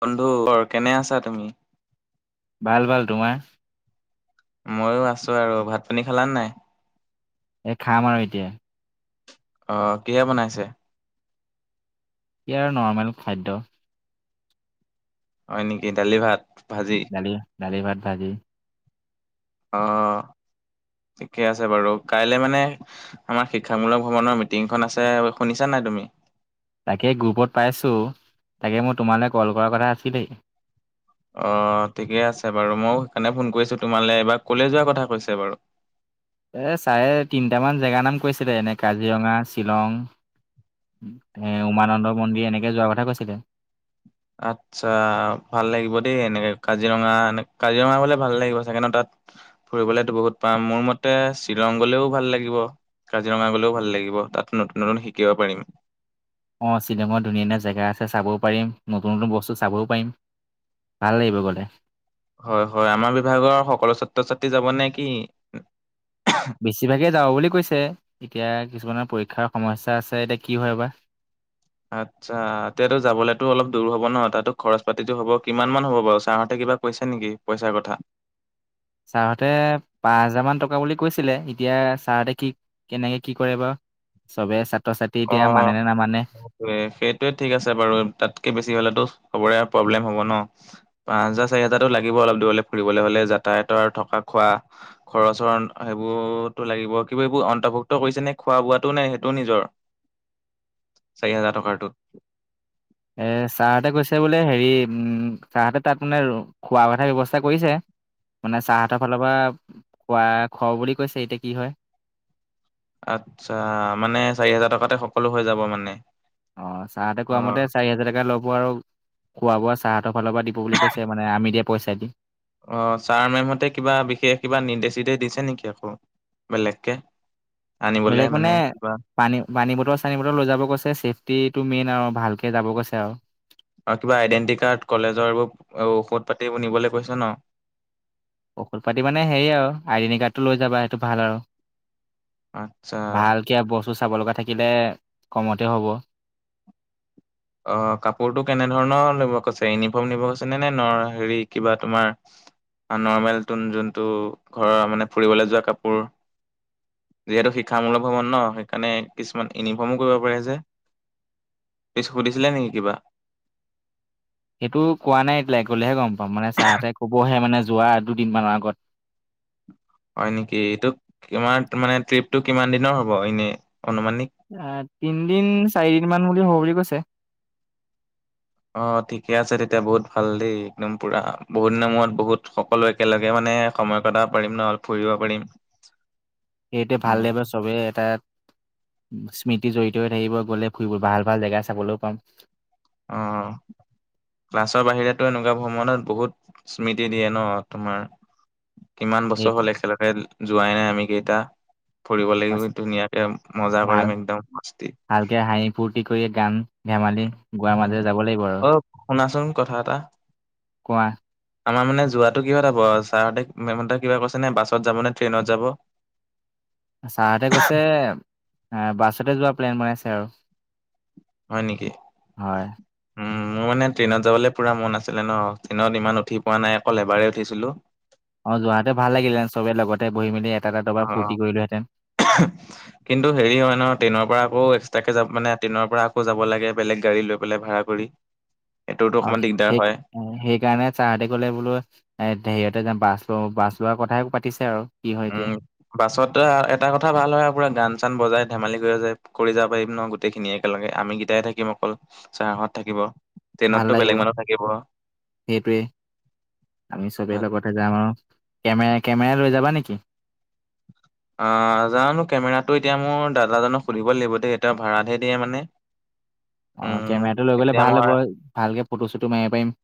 বন্ধু কেনে আছা তুমি ভাল ভাল তোমাৰ মইয়ো আছোঁ আৰু ভাত পানী খালানে নাই এই খাম আৰু এতিয়া অ কিহে বনাইছে? ইয়াৰ নৰ্মেল খাদ্য হয় নেকি দালি, ভাত, ভাজি দালি-দালি, ভাত, ভাজি অ ঠিকে আছে বাৰু কাইলে মানে আমাৰ শিক্ষামূলক ভ্ৰমণৰ মিটিংখন আছে শুনিছা নাই তুমি তাকে গ্ৰুপত পাইছোঁ তাকে মোৰ তোমালে কল কৰাৰ কথা আছিলেই অ ঠিকে আছে বাৰু ময়ো সেইকাৰণে ফোন কৰিছো তোমালৈ এবাৰ কলে যোৱাৰ কথা কৈছে বাৰু এ চাৰে তিনিটামান জেগাৰ নাম কৈছিলে এনে কাজিৰঙা, শ্বিলং এ উমানন্দ মন্দিৰ এনেকে যোৱাৰ কথা কৈছিলে আচ্ছা ভাল লাগিব দেই এনেকে কাজিৰঙা, কাজিৰঙা গলে ভাল লাগিব চাগে ন তাত ফুৰিবলেতো বহুত পাম মোৰ মতে শ্বিলং গ'লেও ভাল লাগিব কাজিৰঙা গ'লেও ভাল লাগিব তাত নতুন নতুন শিকিব পাৰিম অ শ্বিলঙৰ ধুনীয়া ধুনীয়া জেগা আছে চাবও পাৰিম নতুন নতুন বস্তু চাবও পাৰিম ভাল লাগিব গলে হয় হয় আমাৰ বিভাগৰ সকলো ছাত্ৰ ছাত্ৰী যাব নে কি বেছিভাগেই যাব বুলি কৈছে এতিয়া কিছুমানৰ পৰীক্ষাৰ সমস্যা আছে এতিয়া কি হয় বা আচ্ছা এতিয়াতো যাবলেতো অলপ দূৰ হ'ব ন তাতো খৰচ পাতিটো হ'ব কিমান মান হ'ব বাৰু ছাৰহতে কিবা কৈছে নেকি পইচাৰ কথা ছাৰহঁতে পাঁচ হাজাৰ মান টকা বুলি কৈছিলে এতিয়া ছাৰহঁতে কি কেনেকে কি কৰে বা চবে ছাত্ৰ ছাত্ৰী অ এতিয়া মানে নে নামানে সেইটোৱে ঠিক আছে বাৰু তাতকে বেছি হ'লেতো চবৰে প্ৰব্লেম হব ন পাঁচ হাজাৰ চাৰি হাজাৰতো লাগিব অলপ দূৰলে ফুৰিবলে হলে যাতায়তৰ থকা খোৱা খৰচৰ সেইবোৰতো লাগিব কিবা এইবোৰ অন্তৰ্ভুক্ত কৰিছে নে খোৱা বোৱাতো নে সেইটোও নিজৰ চাৰি হাজাৰ টকাৰটো এ ছাৰহতে কৈছে বোলে হেৰি উম ছাৰহতে তাত মানে খোৱা কথাৰ ব্যৱস্থা কৰিছে মানে ছাৰহতৰ ফালৰ পৰা খোৱা খুৱাও বুলি কৈছে এতিয়া কি হয় আচ্ছা মানে চাৰি হাজাৰ টকাতে সকলো হৈ যাব মানে অ চাৰহতে কোৱা অ মতে চাৰি হাজাৰ টকা লব আৰু খোৱা বোৱা চাৰহতৰ ফালৰ পৰা দিব বুলি কৈছে মানে আমি দিয়া পইচা যে অ ছাৰ মেমহতে কিবা বিশেষ কিবা নিৰ্দেশ চিদেশ দিছে নেকি আকৌ বেলগকে বেলেগ মানে পানী পানী বটল চানী বটল লৈ যাব গৈছে ছেফটি টো মেইন আৰু ভালকে যাব কৈছে আৰু আৰু কিবা আইডেণ্টি কাৰ্ড কলেজৰ এইবোৰ ঔষধ পাতি এইবোৰ নিবলৈ কৈছে ন ঔষধ পাতি মানে হেৰি আৱ আইডেণ্টি কাৰ্ড টো লৈ যাবা সেইটো ভাল আৰু আচ্ছা কিবা বস্তু চাব লগা থাকিলে কমতে হ'ব অ কাপোৰটো কেনেধৰণৰ লব কৈছে ইউনিফৰ্ম নিব কৈছে নে নে হেৰি কিবা তোমাৰ নৰ্মেলতো যোনটো ঘৰৰ মানে ফুৰিবলে যোৱা কাপোৰ যিহেতু শিক্ষামূলক ভৱন ন সেইকাৰণে কিছুমান ইউনিফৰ্মো কৰিব পাৰি যে ইচ সুধিছিলে নেকি কিবা সেইটো কোৱা নাই এতিয়ালৈকে গ'লেহে গম পাম মানে ছাৰহতে কবহে মানে যোৱা দুদিনমানৰ আগত হয় নেকি এইটো কিমান তোমাৰ মানে ট্ৰিপটো কিমান দিনৰ হ'ব এনে অনুমান আ তিনদিন চাৰিদিন মান বুলি হ'ব বুলি কৈছে অ ঠিকে আছে তেতিয়া বহুত ভাল দেই একদম পুৰা বহুত দিনৰ মূৰত বহুত সকলো একেলগে মানে সময় কটাব পাৰিম নহ ফুৰিব পাৰিম সেইোৱে ভাল দেবৰ চবেই এটা স্মৃতি জড়িত হৈ থাকিব গ'লে ফুৰিব ভাল ভাল জেগা চাবলৈও পাম অ ক্লাছৰ বাহিৰেতো এনেকুৱা ভ্ৰমণত বহুত স্মৃতি দিয়ে ন তোমাৰ কিমান সেই বছৰ হ'ল একেলগে যোৱাই নাই আমি কেইটা ফুৰিব লাগিব ধুনীয়াকে মজা ভাল কৰিম একদম মস্তি ভালকে হাঁহি ফূৰ্তি কৰি গান ধেমালি গোৱাৰ মাজেৰে যাব লাগিব আৰু অ', শুনাচোন কথা এটা কোৱা আমাৰ মানে যোৱাটো কিহত হব ছাৰহতে মেমহতে কিবা কৈছে নে বাছত যাব নে ট্ৰেইনত যাব ছাৰহতে কৈছে বাছতে যোৱা প্লেন বনাইছে আৰু হয় নেকি হয় উম মোৰ মানে ট্ৰেইনত যাবলে পুৰা মন আছিলে ন ট্ৰেইনত ইমান উঠি পোৱা নাই অকল এবাৰে উঠিছিলো অ যোৱাহতে ভাল লাগিলহেতেন চবে লগতে বহি মেলি এটা এটা অ', ডবাৰ ফুৰ্তি কৰিলোহেঁতেন [unintelligible] কিন্তু হেৰি হয় ন ট্ৰেইনৰ পৰা আকৌ একস্তাকে যাব মানে ট্ৰেইনৰ পৰা আকৌ যাব লাগে বেলেগ গাড়ী লৈ পেলাই ভাড়া কৰি সেইটোতো অকমান আচ্ছা দিগদাৰ সেইটো হয়, সেইকাৰণে ছাৰহতে কলে বোলো এ হেৰিতে যে বাছ ল বাছ লোৱাৰ কথাই পাতিছে আৰু কি হয় এতিয়া উম বাছতে এটা কথা ভাল হয় আৰু পুৰা গান চান বজাই ধেমালি কৰি যায় কৰি যাব পাৰিম ন গোট গোটেইখিনি একেলগে আমি গিটাই থাকিম অকল চাৰ-হঁত থাকিব ভাল ট্ৰেইনতটো লাগিব বেলেগ মানুহ থাকিব সেইটোৱে আমি চবে লগতে যাম আৰু কেমেৰা কেমেৰা লৈ যাবা নেকি অহ জানো কেমেৰাটো এতিয়া মোৰ দাদাজনক সুধিব লাগিব দেই তেওঁ ভাড়াতহে দিয়ে মানে অ উম, কেমেৰাটো লৈ গ'লে এতিয়া ভাল মই হ'ব ভালকে ফটো চটো মাৰিব পাৰিম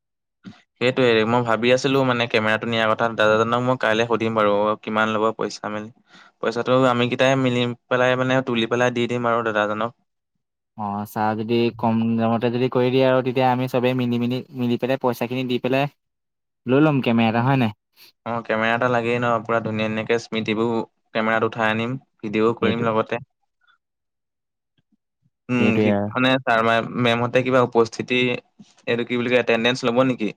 [unintelligible] সেইটোৱে মই ভাবি আছিলো মানে কেমেৰাটো নিয়াৰ কথা দাদাজনক মই কাইলে সুধিম বাৰু কিমান ল'ব পইচা মেলি পইচাটো আমি কেইটাই মিলি পেলাই মানে তুলি পেলাই দি দিম আৰু দাদাজনক অ চা যদি কম দামতে যদি কৰি দিয়ে আৰু তেতিয়া আমি চবেই মিলি মেলি মিলি পেলে পইচাখিনি দি পেলাই লৈ ল'ম কেমেৰা এটা হয় নাই অঁ কেমেৰা এটা লাগেই ন পুৰা ধুনীয়া ধুনাকে স্মৃতিবোৰ কেমেৰাত উঠাই আনিম ভিডিঅ'ও সেইটো কৰিম লগতে উম সেইটোৱে সি আৰু খনে তাৰ মা মেমহতে কিবা উপস্থিতি এইটো কি বুলি এটেডেঞ্চ ল'ব নিকি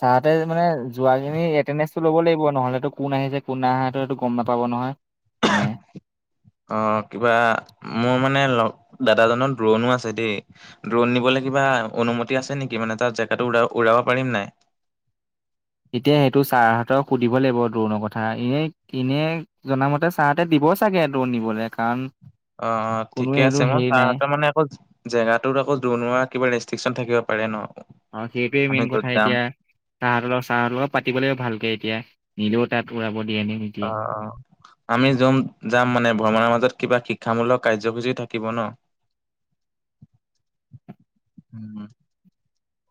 চা-হতে মানে যোৱাখিনি এটেডেঞ্চটো ল'ব লাগিব নহলেতো কোন আহিছে কোন নাই অহা সেটো সেইটো গম নাপাব নহয় মানে [unintelligible] অ কিবা মোৰ মানে ল দাদাজনৰ দুৰণো আছে দেই ড্ৰণ নিবলে কিবা অনুমতি আছে নিকি মানে তাত জেগাটো উৰা উৰাব পাৰিম নাই এতিয়া সেইটো ছাৰহঁতক সুধিব লাগিব ড্ৰণৰ কথা এনে এনেই জনামতে চা-হতে দিব চাগে ড্ৰুণ নিবলে কাৰণ অ অ কোনো ঠিকে এইটো আছে মই হেৰি নাই চাৰহতে মানে আকৌ জেগাটো আকৌ ডাৰুণ উৰুৱা কিবা ৰেষ্ট্ৰিকশ্যন থাকিব পাৰে ন অ সেইটোৱে আমি মেইন য'ত কথা যাম এতিয়া চাৰহতঁৰ লগত চাৰহতঁৰ লগত পাতিব লাগিব ভালকে এতিয়া নিলেও তাত উৰাব দিয়েনে অ অ আমি যম যাম মানে ভ্ৰমণৰ মাজত কিবা শিক্ষামূলক কাৰ্যসূচী থাকিব ন উম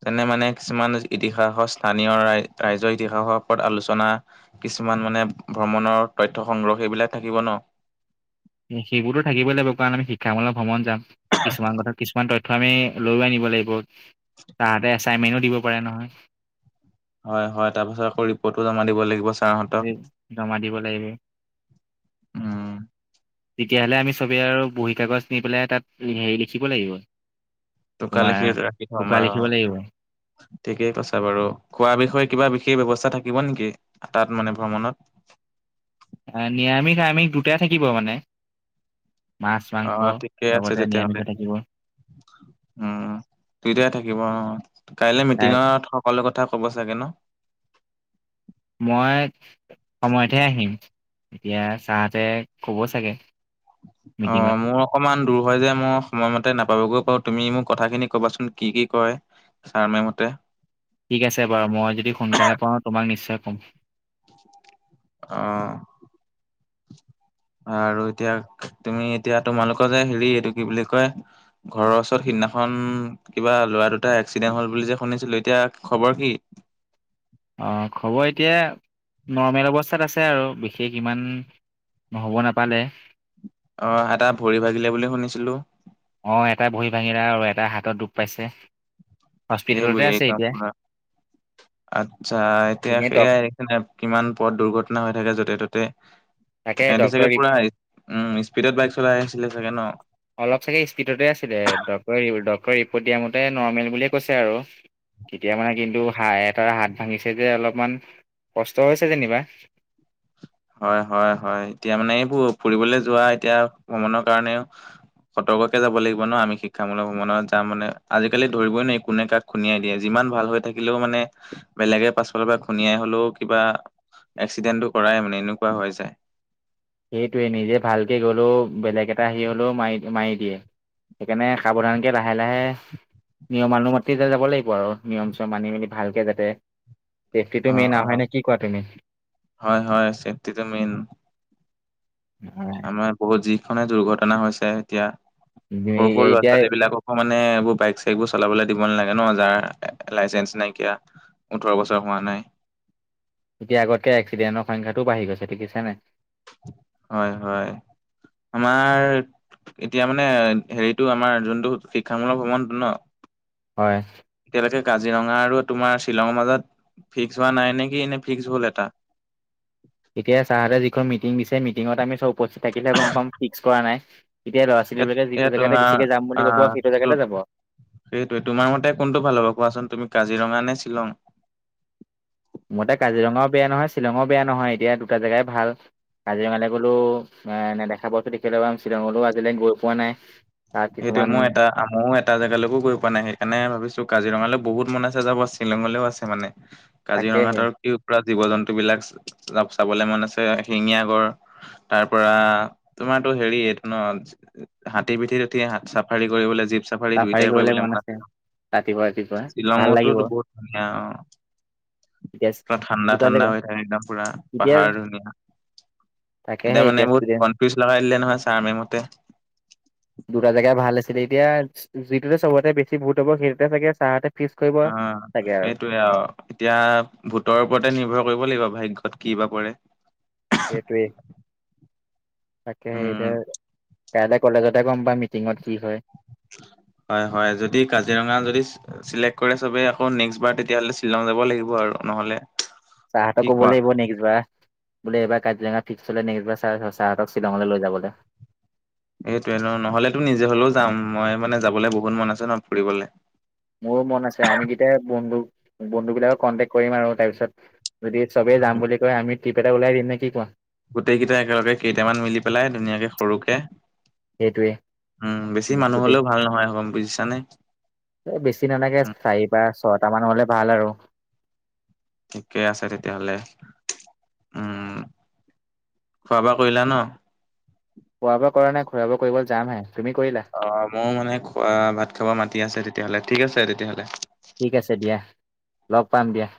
যেনে মানে কিছুমান ইতিহাসৰ স্থানীয় ৰাই ৰাইজৰ ইতিহাসৰ ওপৰত আলোচনা কিছুমান মানে ভ্ৰমণৰ তথ্য সংগ্ৰহ সেইবিলাক থাকিব ন সেইবোৰতো থাকিবই লাগিব কাৰণ আমি শিক্ষামূলক ভ্ৰমণ যাম কিছুমান কথা কিছুমান তথ্ থ আমি লৈও আনিব লাগিব চাৰহতে এচাইনমেন্টও দিব পাৰে নহয় হয় হয় তাৰপিছত আকৌ ৰিপৰ্টো জমা দিব লাগিব ছাৰহত সে জমা দিব লাগিব উম তেতিয়াহ'লে আমি চবেই আৰু বহী কাগজ নি পেলাই তাত হেৰি লিখিব লাগিব টোকা তোমাৰ লিখি ৰাখি থম অ টোকা লিখিব লাগিব ঠিকেই কৈছা বাৰু খোৱাৰ বিষয়ে কিবা বিশেষ ব্যৱস্থা থাকিব নিকি তাত মানে ভ্ৰমণত নিৰামিষ আমিষ দুটাই থাকিব মানে মাছ অ মাংস ঠিকে আছে লগতে তেতিয়াহ'লে নিৰামিষো দি থাকিব উম দুইটাই থাকিব অ কাইলে তাই মিটিঙত হক সকলো কথা ক'ব চাগে ন মই সময়তহে আহিম এতিয়া চাহঁতে কব চাগে অ মিটিঙত মোৰ অকমান দূৰ হয় যে মোৰ সময়মতে নাপাবগৈ পাৰো তুমি মোক কথাখিনি কবাচোন কি কি কয় ছাৰ মে মতে ঠিক আছে বাৰু মই যদি সোনকালে পাওঁ তোমাক নিশ্চয় কম অ আৰু এতিয়া তুমি এতিয়া তোমালোকৰ যে হেৰি এইটো কি বুলি কয় ঘৰৰ ওচৰত সিদিনাখন কিবা ল'ৰা দুটাই এক্সিডেণ্ট হল বুলি যে শুনিছিলো এতিয়া খবৰ কি অঁ খবৰ এতিয়া নৰ্মেল অৱস্থাত আছে আৰু বিশেষ ইমান হ'ব নাপালে অঁ এটা ভৰি ভাগিলে বুলি শুনিছিলোঁ অ এটাই ভৰি ভাঙিলে আৰু এটাই হাতত দুখ পাইছে হস্পিতেলতে এইবোয়ে এ আছে কাক এতিয়া ভা আচ্ছা এতিয়া এনেই ডক সেয়াই কোনেপ কিমান পথ দুৰ্ঘটনা হৈ থাকে যতে ত'তে তাকে এহেটি চাগে ডক্টৰে পুৰা উম স্পীডত বাইক চলাই আহিছিলে চাগে ন অলপ চাগে স্পীডতে আছিলে ডক্টৰে ডক্টৰে ৰিপৰ্ট দিয়া মতে নৰ্মেল বুলিয়ে কৈছে আৰু তেতিয়া মানে কিন্তু হায় এটা হাত ভাঙিছে যে অলপমান কষ্ট হৈছে যেনিবা হয় হয় হয় এতিয়া মানে এইবোৰ ফুৰিবলে যোৱা এতিয়া ভ্ৰমণৰ কাৰণেও সতৰ্ককে যাব লাগিব ন আমি শিক্ষামূলক ভ্ৰমণত যাম মানে আজিকালি ধৰিবই নোৱাৰি কোনে কাক খুনিয়াই দিয়ে যিমান ভাল হৈ থাকিলেও মানে বেলেগে পাছফলৰ পৰা খুনিয়াই হলেও কিবা এক্সিডেণ্টটো কৰাই মানে এনেকুৱা হৈ যায় সেইটোৱে নিজে ভালকে গ'লেও বেলেগ এটা হেৰি হ'লেও মাৰি মাৰি দিয়ে সেইকাণে সাৱধানকে লাহে লাহে নিয়মানুমাতি যা যাব লাগিব আৰু নিয়ম চম মানি মেলি ভালকে যাতে চেফটিটো অ মেইন আউ অ হয় নে কি কোৱা তুমি হয় হয় চেফটিটো মেইন হয় হয় বহুত যিখনে দুৰ্ঘটনা হৈছে এতিয়া সৰু সৰু ল'ৰা এতিয়া ছোৱালী বিলাকক মানে এইবোৰ বাইক চাইক বোৰ চলাবলৈ দিব নালাগে ন যাৰ লাইচেন্ঞ্চ নাইকিয়া ওঠৰ বছৰ হোৱা নাই এতিয়া আগতকে এক্সিডেণৰ সংখ্যাটোও বাঢি গৈছে দেখিছা নাই হয় হয় আমাৰ এতিয়া মানে হেৰিটো আমাৰ যোনটো শিক্ষামূলক ভ্ৰমণটো ন হয় এতিয়ালৈকে কাজিৰঙা আৰু তোমাৰ শ্বিলঙৰ মাজত ফিক্স হোৱা নাই নে কি নে ফিক্স হল এটা এতিয়া চাহঁতে যিখন মিটিং দিছে মিটিঙত আমি চব উপস্থিত থাকিলে গম পাম ফিক্স কৰা নাই এতিয়া ল'ৰা ছোৱালী বিলাকে এ যিটো জেগাতে তোমাৰ বেছিকে যাম বুলি কব আহ সেইটো তো জেগাতে যাব আউ সেইটোৱে তোমাৰ মতে কোনটো ভাল হ'ব কোৱাচোন তুমি কাজিৰঙা নে শ্বিলং মোৰ তে কাজিৰঙাও বেয়া নহয় শ্বিলঙও বেয়া নহয় এতিয়া দুটা জেগাই ভাল কাজিৰঙালে গ'লো এ নেদেখা বস্তু দেখিবলে পাম শ্বিলঙলৈও আজিলে গৈ পোৱা নাই তাত সেইটোৱে কিছুমান মই এটা মৌ এটা জেগালৈকো গৈ পোৱা নাই সেইকাৰণে ভাবিছো কাজিৰঙালৈ বহুত মন আছে যাব শ্বিলঙলৈও আছে মানে কাজিৰঙাত তাকেহে আৰু কি পুৰা জীৱ জন্তু বিলাক চা চাবলে মন আছে এশিঙিয়া গড় তাৰ পৰা তোমাৰটো হেৰিত ন হাতী পিঠিত উঠি হাত চাফাৰী কৰিবলে জীপছ চাফাৰী দুইটাই কৰিবলৈ ম'ন আছিল। ৰাতিপুৱা ৰাতিপুৱা ভাল শ্বিলঙটো লাগিব বহুত ধুনীয়া অ। এতিয়া পুৰা ঠাণ্ডা দুটা ঠাণ্ডা জেগা হৈ থাকে একদম পুৰা এতিয়া পাহাৰ ধুনীয়া। তাকেহে এতিয়া মানে বহুত ষ্টুডেন্ট কনফিউজ লগাই দিলে নহয় ছাৰ মেইমহতে। দুটা জেগা ভাল আছিলে এতিয়া যিটোতে চবতে বেছি ভূত হ'ব সেইটোতে চাগে চাৰহতে- ফিক্স কৰিব অঁ সেইটোৱে আৰু। এতিয়া ভূতৰ ওপৰতে নিৰ্ভৰ কৰিব লাগিব ভাগ্যত কিবা পৰে। সেইটোৱেই। তাকে'হে উম। এতিয়া কাইলে কলেজতে গম পাম মিটিঙত কি হয়। হয় হয়। যদি কাজিৰঙা যদি- চিলেক্ট কৰে চবেই আকৌ নেক্সবাৰ তেতিয়াহ'লে শ্বিলং যাব লাগিব আৰু নহ'লে। ছাৰহঁতক কি কব কোৱা লাগিব নেক্সবাৰ। বোলে এইবাৰ কাজিৰঙা ফিক্স হ'লে নেক্সবাৰ ছাৰহঁতক শ্বিলঙলৈ লৈ যাবলৈ। সইটোৱে ন নহ'লেতো নিজে হলেও যাম মই মানে যাবলৈ বহুত মন আছে ন ফুৰিবলৈ। মোৰো মন আছে আমি কেইটাই বন্ধু বন্ধু বিলাকক কন্টেক কৰিম আৰু তাৰপিছত- যদি চবেই যাম বুলি কয় আমি ট্ৰিপ এটা ওলাই দিম নে কি কোৱা। গোটেই কেইটাই একেলগে কেইটামান মিলি পেলাই ধুনীয়াকে সৰুকে। সেইটোৱে উমঁ বেছি মানুহ গোটেই হলেও ভাল নহয় বুজিছানে। এই বেছি নালাগে উম চাৰি বা ছয়টা মান হ'লে ভাল আৰু। ঠিকে আছে তেতিয়া হ'লে। উমঁ খোৱা-বোৱা কৰিলা ন? খোৱা-বোৱা কৰা নাই খোৱা-বোৱা কৰিবলৈ যাম হে। তুমি কৰিলা? অ মোৰ মানে খোৱা ভাত খাব মাতি আছে তেতিয়াহ'লে ঠিক আছে তেতিয়াহ'লে। ঠিক আছে দিয়া, লগ পাম দিয়া।